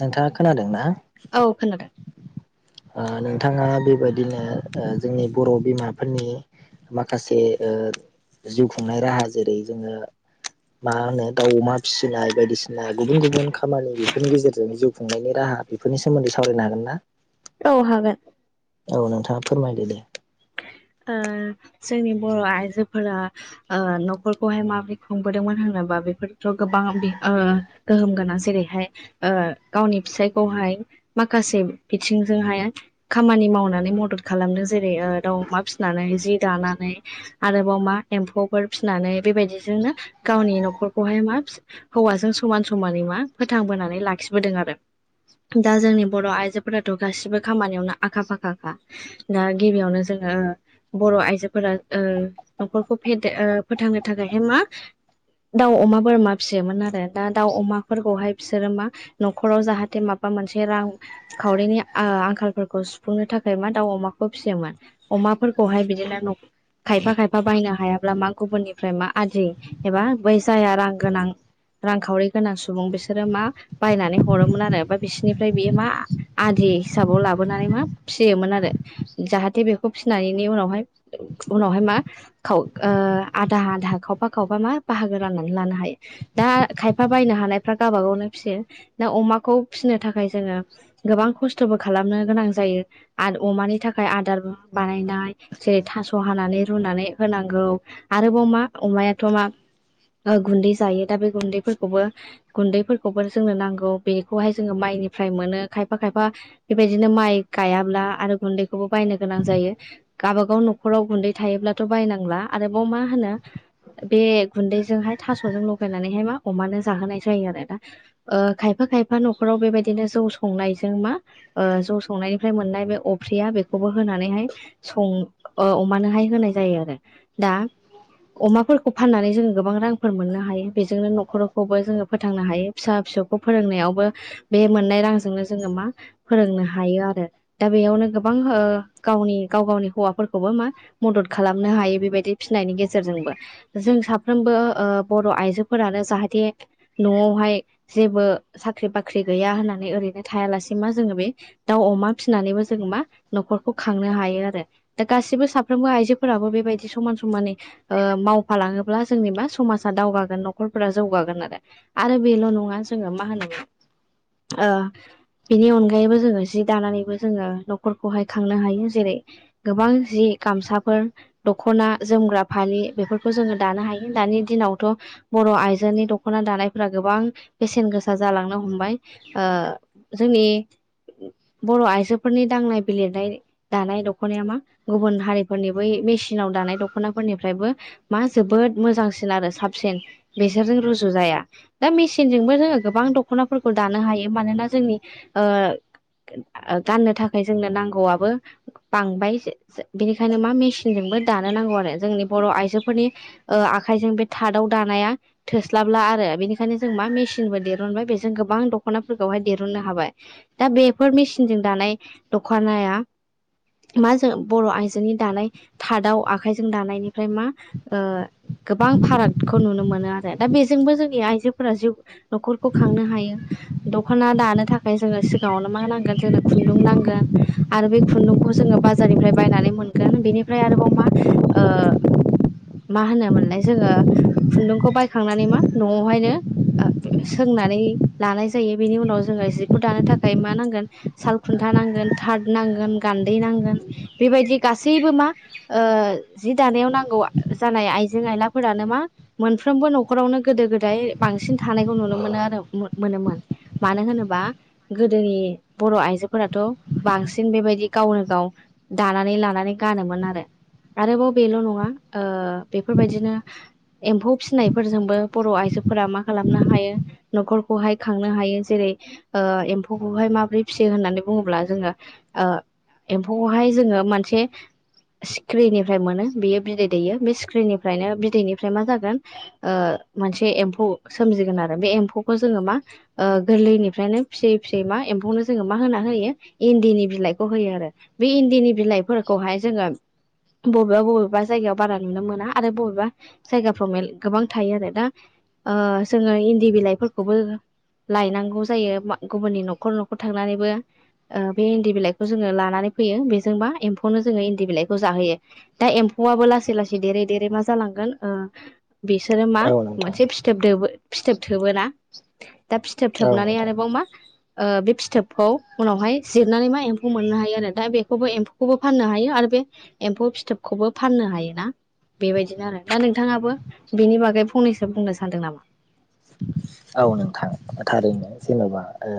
नोंथाङा खोनादों ना औ खोनादों। नोंथाङा बेबायदिनो जोंनि बर' बिमाफोरनि माखासे जिउ खुंनाय राहा जेरै जोङो मा होनो दाउ अमा फिसिनाय बायदिसिना गुबुन गुबुन खामानि बेफोरनि गेजेरजों जिउ खुंनायनि राहा बेफोरनि सोमोन्दै सावरायनो हागोन ना औ हागोन औ नोंथाङा फोरमायदो दे ओ जोंनि बर' आइजोफोरा ओ न'खरखौहाय माबोरै खुंबोदोंमोन होनो बा बेफोरथ' गोबां गोहोम गोनां जेरैहाय गावनि फिसायखौहाय माखासे बिथिंजोंहाय खामानि मावनानै मदद खालामदों जेरै मख फिनानै जि दानानै आरोबाव मा एमफौ फिसिनानै बेबायदि गावनि नि न'खरखौहाय मा हौवाजों समान समानै मा फोथांबोनानै लाखिबोदों आरो दा जोंनि बर' आइजोफोराथ' गासिबो खामानियावनो आखा फाखाखा दा गिबियावनोों जोङो बर' आइजोफोरा ओ न'खरखौ फेदेर ओ फोथांनो थाखायहाय मा दाउ अमा बोरमा फियोमोन आरो दा दाउ अमाफोरखौहाय बिसोरो मा न'खराव जाहाथे माबा बा मोनसे रां खावरिनि आंखालफोरखौ सुफुंनो थाखाय मा दाउ अमाखौ फिसियोमोन अमाफोरखौहाय बिदिनो खायफा खायफा बायनो हायाब्ला मा गुबुननिफ्राय मा आदि एबा बै जाया रां गोनां रांखावरि गोनां सुबुं बिसोरो मा बायनानै हरोमोन आरो बा बिसोरनिफ्राय बियो मा आदि हिसाबाव लाबोनानै मा फियोन आरो जाहाथे बेब फिसिनानैनो उनावहाय उनावहाय मा खाव आधा आधा खावबा खावबा मा बाहागो राननानै लानो हायो दा खायफा बायनो हानायफ्रा गावाबा गावनो फिसियो दा अमाखौ फिसिनो थाखाय जोङो गोबां खस्थ'बो खालामनो गोनां जायो। आरो अमानि थाखाय आदारबो बानायनाय जेरै थास' हानानै रुनानै होनांगौ आरोबाव मा अमायाथ' मा गुन्दै जायो दा बे गुन्दैफोरखौबो गुन्दैफोरखौबो जोंनो नांगौ बेखौहाय जोङो माइ माइनिफ्राय मोनो खायफा खायफा बेबायदिनो माइ गायाब्ला आरो गुन्दैखौबो बायनो गोनां जायो गावब गाव न'खराव गुन्दै थायोब्लाथ' बायनांला आरोबाव मा होनो बे गुन्दैजोंहाय थास'जों लगायनानैहाय मा अमानो जाहोनाय जायो आरो दा ओ खायफा खायफा न'र न'खाराव बेबायदिनो जौ संनायजों मा जौ संनायनिफ्राय मोननाय बे अफ्रिया बेखौबो होन नैहाय स ओ अमानो होनाय जायो आरो दा अमाफोरखौ फाननानै जोङो गोबां रांफोर मोननो हायो बेजोंनो न'खरखौबो जोङो फोथांनो हायो फिसा फि फिसौखौ फोरोंनायावबो बे मोननाय रांजोंनो जोङो मा फोरोंनो हायो आरो दा बेयावनो बां गावनि गाव-गाव हौवाफोरखौबो मा मदद खालामनो हायो बेबायदि फिसिनायनि गेजेरजोंबो जों सा साफ्रोमबो ओ बर' आइजोफोरानो जाहाथे न'आवहाय जेबो साख्रि बाख्रि फ्रि गैया होननानै ओरैनो थायालासे मा जोङो बे दाउ अमा फिसिनानैबो जोङो मा न'खर खांनो हायो आरो दा गासिबो साफ्रोमबो आइजोफोराबो बेबायदि समान समानै ओ मावफाला ब्ला जोंनिबा समाजा दावगागोन न'खरफोरा जौगागोन आरो आरो बेल' नङा जोङो मा होनोम ओ बिनि अनगायैबो जोङो जि दानानैबो जोङो न'खरखौहाय खांनो हायो जेरै गोबां जि गामसाफोर दख'ना जोमग्रा फालि बेफोरखौ जों दानो हायो दानि दिनावथ' बर' आइजोनि दख'ना दानायफोरा गोबां बेसेन गोसा जा गालांनो हमबाय ओ जोंनि बर आइजोफोर दनाय लिरनाय दानाय दख'नाया मा गुबुन हारिफोरनि बै मेसिनाव दानाय दख'नाफोरनिफ्रायबो मा जोबोद मोजांसिन आरो साबसिन बेसोरजों रुजु जाया दा मेसिनजोंबो जोङो गोबां दख'नाफोरखौ दानो हायो मानोना जोंनि ओ गाननो थाखाय जोंनो नांगौआबो बांबाय। जे-जे बेनिखायनो मा मेसिनजोंबो दानो नांगौ आरो। जोंनि बर' बा आइजोफोरनि ओ आखाइजों बे थादाव दानाया थोस्लाबला आरो। बेनिखायनो जों मा मेसिन देरुनबाय बेजों गोबां दख'नाफोरखौहाय देरुननो हाबाय। दा बेफोर मेसिनजों दानाय दखनाया मा जों बर' आइजोनि दानाय थादाव आखाइजों दानायनिफ्राय मा ओ गोबां फारागखौ नुनो मोनोआरो। दा बेजोंबो जोंनि आइजोफोरा जिउ न'खरखौ खांनो हायो। दख'ना दानो थाखाय जोङो सिगाङावनो मा नांगोन जोंनो खुन्दुं नांगोन आरो बे खुन्दुंखौ जोङो बाजारनिफ्राय बायनानै मोनगोन। बेनिफ्राय आरोबाव मा मा होनोमोनलाय जोङो खुन्दुंखौ बायखांनानै मा न'आवहायनो ओ सोंनानै लानाय जायो बेनि उनाव जोङो जिखौ दानो थाखाय मा नांगोन साल खुन्था नांगोन थार्द नांगोन गान्दै नांगोन बेबायदि गासैबो मा ओ जि दानायाव नांगौ जानाय आइजें आइलाफोरानो मा मोनफ्रबो न'रावनो गोदो-गोदाय बांसिन थानायखौ नुनो मोन मोन आरो मोनोमोन मानो होनोबा गोदोनि बर' आइजोफोराथ' बांसिन बेबायदि गावनो गाव दानानै लानानै गानोमोन आरो। आरोबाव बेल' नङा ओ बेफोरबायदिनो एम्फौ फिसिनायफोरजोंबो बर' आइजोफोरा मा खालामनो हायो न'खरखौहाय खांनो हायो। जेरै- ओ एम्फौखौहाय माबोरै फिसियो होननानै बुङोब्ला जोङो ओ एम्फौखौहाय जोङो मोनसे सिखिरिनिफ्राय मोनो बियो बिदै बेयो बि सिक्रिनिफ्रायनो बिदैनिफ्राय मा जागोन ओ मोनसे एम्फौ सोमजिगोन आरो बे एम्फौखौ जोङो मा ओ गोरलैनिफ्रायनो फिसियै फिसियै मा एम्फौनो जोङो मा होना होयो इन्दिनि बिलाइखौ होयो आरो। बे इन्दिनि बिलाइफोरखौहाय जोङो बबेबा-बबेबा जायगायाव बारा नुनो मोना आरो बबेबा जायगाफ्राव गोबां थायो आरो। दा ओ जोङो इन्दि बिलाइफोरखौबो लायनांगौ जायो गुबुननि न'खर न'खर थांनानैबो ओ बे इन्दि बिलाइखौ जोङो लानानै फैयो बेजोंबा एम्फौनो जोङो इन्दि बिलाइखौ जाहोयो। दा एम्फौ वाबो लासै लासै देरै देरै मा जालांगोन ओ बिसोरो मा औ नोंथां मोनसे फिथोबो दोबो फिथोब थोबोना दा फिथोब औ थोबनानै नोंथां। आरोबाव मा ओ बे फिथोबखौ उनावहाय जिरनानै मा एम्फौ मोननो हायो आरो दा बेखौबो एम्फौखौबो फाननो हायो आरो बे एम्फौ फिथोबखौ बो फाननो हायोना। बेबायदिनो आरो दा नोंथाङाबो बेनि बागै फंनैसो बुंनो सानदों नामा? औ नोंथां थारैनो जेन'बा ओ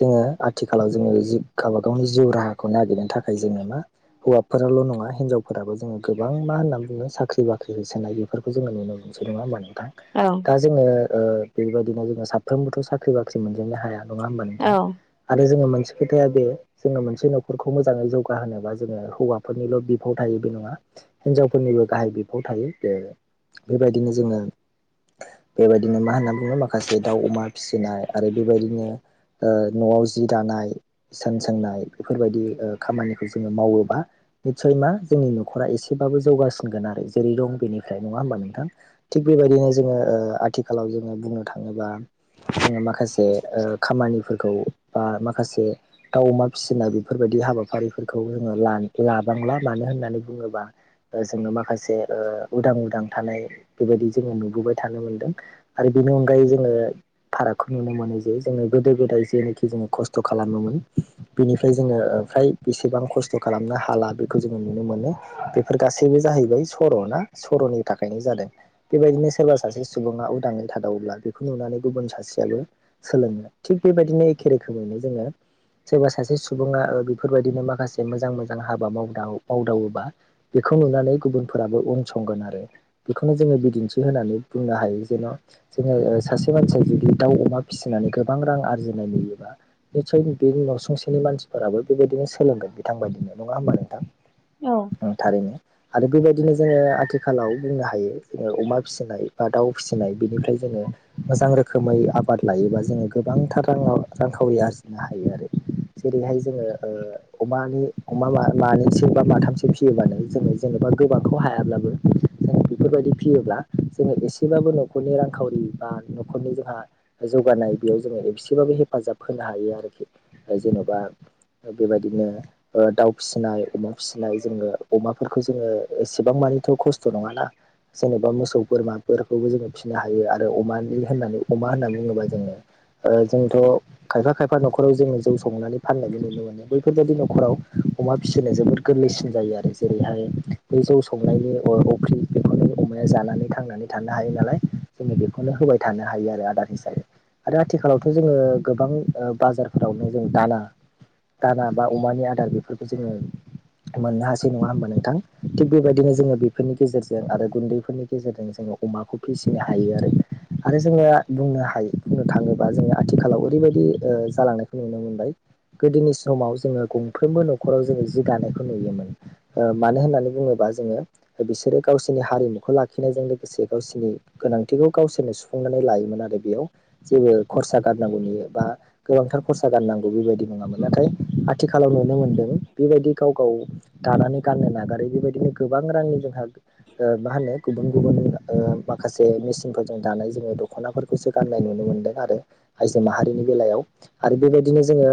जोङो आथिखालाव जोङो जि गावबा गावनि जिउ राहाखौ नागिरनो थाखाय जोङो मा हौवाफो रल' नंपङा हिनजावफोराबो जोङ गोबां मा होनना बुङो साख्रि बाख्रि होसोनाय बेफोरखौ जोङो नुनो मोनसै नङा होनबा। माने औ दा जोङो ओ बेबायदिनो जोङो साफ्रोमबोथ' साख्रि बाख्रि मोनजोबननो हाया नङा होनबा नोंथां औ आरो जों मोनसे खोथाया बे जोङो मोनसे न'खरखौ मोजाङै जौगाहोनोबा जोङो हौवाफोरनिल' बिफाव थायो बे नङा हिनजावफोरनिबो गाहाय बिफाव थायो। जे बेबायदिनो जोङो बेबायदिनो मा होनना नोङो माखासे दाउ अमा फिसिनाय आरो बेबायदिनो ओ न'आव जि दानाय सोंनाय बेफोरबायदि खामानिखौ जोङो मावोबा निसय माने मा जोंनि न'रा एसेबाब जौगा बोसिनगोन आरो जेरै दं बेनिफ्राय नङा होमबा नोंथां। थिग बेबायदिनो जोङो ओ आथिखालाव ओ बुंनो थाङोबा जोङो माखासे ओ खामानिफोर औ ओ माखासे दाउ अमा फिसिनाय बेफोरबायदि हाबाफारिफोरखौ जोङो लाबांं ला मानो होननानै बुङोब्ला ओ जोङो माखासे ओ उदां उदां थानाय बेबायदि जोङो नुबोबाय थानो मोनदों। आरो बेनि अनगायै जोङो फारागखौ नुनो मोनो जे जोंङो गोदो गोदाय जेनोखि जोंङो खस्थ' खालामोमोन बेनिफ्राय जोंङो ओमफ्राय बेसेबां खस्थ' खालामनो हाला बेखौ जोंङो नुनो मोनो बेफोर गासैबो जाहैबाय सर' ना सर'नि थाखायनो जादों बेबायदिनो सोरबा सासे सुबुङा उदाङै थादावब्ला बेखौ नुनानै गुबुन सासेयलो सोलोंङो थिग बेबायदिनो एखे रोखोमैनो जोंङो सोरबा सासे सुबुङा ओ बेफोरबायदिनो माखासे मोजां मोजां हाबा माव मावदावोबा बे बेखौ नुनानै गुबुनफोराबो उन संगोन आरो बेखौनो जोंङो बिदिन्थि होनानै बुंनो हायो जेन' जोंङो सासे मानसिया जुदि दाउ अमा फिसिनानै गोबां रां आरजिनाय नुयोबा नितसय बे न'सुंसेनि मानसिफोराबो बेबायदिनो सोलोंगोन बिथांबायदिनो नङा होमबा नोंथां। औ ओं थारैनो आरो बेबायदिनो जोंङो आथिखालाव बुंनो हायो जोंङो अमा फिसिनाय बा दाउ फिसिनाय बेनिफ्राय जोंङो मोजां रोखोमै आबाद लायोबा जोंङो गोबांथार रां रांखावरि आरजिनो हायो आरोखि जेरैहाय जोंङो ओ अमानि अमा मानैसो बा माथामसो फिसियोबानो जोंङो जेनेबा बा गोबांखौ हायाब्लाबो जों बेफोरबायदि फियोब्ला जोंङो एसेबाबो नख न'खरनि रांखावरि बा न'खरनि जोंहा जौगानाय बेयाव जोंङो एबसेबाबो हेफाजाब होनो हायो आरो। जेन'बा ओ बेबायदिनो ओ दाउ फिसिनाय अमा फिसिनाय जोंङो अमाफोरखौ जोंङो एसेबां मान एथ' खस्थ' नङा ना जेन'बा मोसौ बोरमाफोरखौबो जोंङो फिसिनो हायो आरो अमानि होननानै अमा होननानै बुङोब्ला जोंङो ओ जोंथ' खायफा-खायफा न'खराव जोंङो जौ संनानै फाननायबो नुनो मोनो बैफोरबायदि न'खराव अमा फिसिनो जोबोद गोरलैसिन जायो आरो जेरैहाय बे जौ संनायनि अफ्रि बेफोरनो माया जानानै थांनानै थानो हायो नालाय जोंङो बेखौनो होबाय थानो हायो आरो आदार हिसाबै आरो आथिखालावथ' जोंङो गोबां बाजारफोरावनो जों दाना दाना बा अमानि आदार बेफोरखौ जोंङो मोननो हासै नङा होमबा नोंथां थिग बेबायदिनो जोंङो बेफोरनि गेजेरजों आरो गुन्दैफोरनि गेजेरजों जोंङो अमाखौ फिसिनो हायो आरो आरो जोंङो बुंनो हायो बुंनो थाङोबा जोंङो आथिखालाव ओरैबायदि जालांनायखौ नुनो मोनबाय गोदोनि समाव जोंङो गंफ्रोमबो न'खराव जोंङो जि दानायखौ नुयोमोन ओ मानो होननानै बुङोब्ला दा जोंङो बिसोरो गावसिनि हारिमुखौ लाखिनायजों लोगोसे गावसिनि गोनांथिखौ गावसोरनो सुफुंनानै लायोमोन आरो बेयाव जेबो खरसा गारनांगौनि बा गोबां खरसा गारनांगौ बेबायदि नामोन नाथाय आथिखालाव नुनो मोनदों बेबायदि गाव-गाव दा मने गाननो नागारैनो बेबायदिनो गोबां रांनि जोंहा ओ मा होनो गुबुन-गुबुन ओ माखासे मेसिनफोरजों दानाय जोंङो दख'नाफोरखौसो गाननाय नुनो मोनदों आरो आइजो माहारिनि बेलायाव आरो बेबायदिनो जोंङो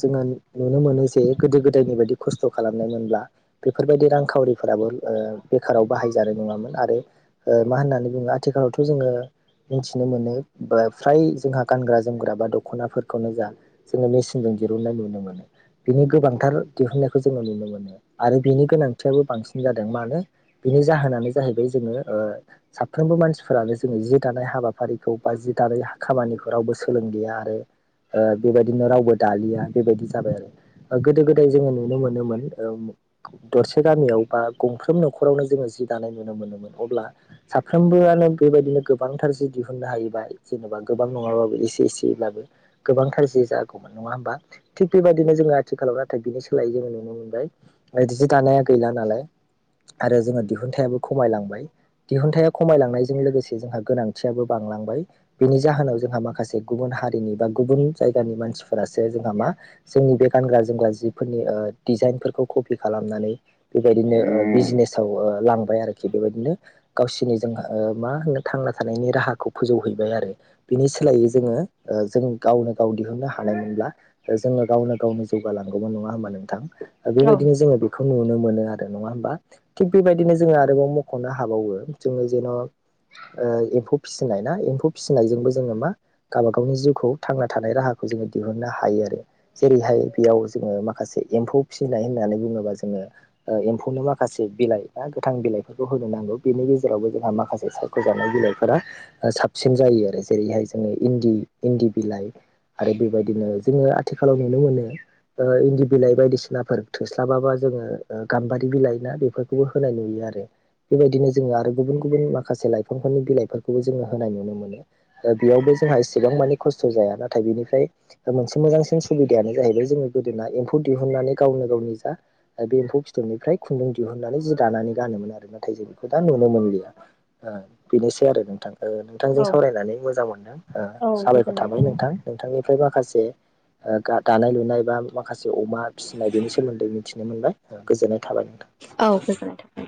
जोंङो नुनो मोनो जे गोदो गोदायनि बायदि खस्थ' खालामनायमोनब्ला बेफोरबायदि रांखावरि फोराबो ओ बेखाराव बाहाय जानाय नङामोन आरो मा होननानै बुङो आथिखालावथ' जोंङो मिथिनो मोनो बा फ्राय जोंहा गानग्रा जोमग्रा बा दख'नाफोरखौनो जा जोंङो मेसिनजों हुननाय नुनो मोन बिनि गोबांथार दिहुननायखौ जोंङो नुनो मोनो आरो बिनि गोनांथियाबो बांसिन। जादों मानो बिनि जाहोनानो जाहैबाय जोंङो ओ साफ्रोमबो मानसिफोरानो जोंङोनि जि दानाय हाबाफारिखौ बा जि दानाय खामानिखौ रावबो सोलों गैया आरो ओ बेबायदिनो रावबो दालिया बेबायदि जाबाय आरो गोदो गोदाय जोंङो नुनो मोनोमोन दरसे गामियाव बा गंफ्रोम न'खरावनो जोंङो जि दानाय नुनो मोनोमोन। अब्ला साफ्रोमबोआनो बेबायदिनो गोबांथार जि दिहुननो हायोबा जेनेबा गोबां नङाबाबो एसे ए एसेब्लाबो गोबांथार जि जागौमोन नङा होमबा थिग बेबायदिनो जोंङो आथिखालाव नाथाय बिनि सोलायै जों नुनो मोनबाय जि दानाया गैला नालाय आरो जोंङो दिहुनथाइयाबो खमायलांबाय दिहुनथाइया खमायलांनायजों लोगोसे जोंहा गोनांथियाबो बांलांबाय बेनि जाहोनाव जोंहा माखासे गुबुन हारिनि बा गुबुन जायगानि मानसिफोरासो जोंहा मा जोंनि बे गानग्रा जोमग्रा जिफोरनि ओ डिजाइनफोरखौ कपि खालामनानै बेबायदिनो बिजनेसाव लांबाय आरोखि बेबायदिनो। गावसिनि जों मा होनो थांना थानायनि राहाखौ फोजौहैबाय आरो बिनि सोलायै जोंङो जों गावनो गाव दिहुननो हानायमोनब्ला जोङो गावनो गावनो जौगालांगौमोन नङा होनबा नोंथां? बेबायदिनो जोङो बेखौ नुनो मोनो आरो नङा होमबा थिग बेबायदिनो जोङो आरोबाव मख'नो हायो। हाबावो जोङो जेन'। एमफौ फिसिनाय ना एमफौ फिसिनायजोंबो जोङो मा गावबा गावनि जिउखौ थांना थानाय राहाखौ जोङो दिहुननो हायो आरो जेरैहाय बेयाव जोङो माखासे एमफौ फिसिनाय होननानै बुङोबा जोङो एमफौनो माखासे बिलाइ बा गोथां बिलाइफोरखौ नांगौ बेनि गेजेरावबो जोंहा माखासे सायख'जानाय बिलाइफोरा साबसिन जायो आरो जेरैहाय जोङो इन्दि-इन्दि बिलाइ। आरो बेबायदिनो जोङो आथिखालाव नुनो मोनो ओ इन्दि बिलाइ बायदिसिनाफोर थोस्लाबाबा। जोङो गाम्बारि बिलाइ ना बेफोरखौबो होनाय नुयो आरो बेबायदिनो जोङो आरो गुबुन गुबुन माखासे लाइफांफोरनि बिलाइफोरखौ जोङो होनाय नुनो मोनो बेयावबो जों। जोंहा इसेबां मानि खस्थ' जाया नाथाय बेनिफ्राय मोनसे मोजांसिन सुबिदायानो जाहैबाय जोंनि गोदोना एमफौ। दिहुननानै गावनो गावनि जा बे एम्फौ फिथोबनिफ्राय खुन्दुं दिहुननानै जि दानानै गानोमोन आरो ना। नाथाय जों बेखौ दा नुनो मोनलिया बेनोसै आरो नोंथां। नोंथांजों औ सावरायनानै मोजां मोनदों औ साबायखर गोजोननाय थाबाय नोंथां नोंथांनिफ्राय माखासे। दानाय लुनाय बा माखासे अमा फिसिनाय बेनि सोमोन्दै। मिथिनो मोनबाय गोजोननाय थाबाय नोंथां। औ गोजोन थों।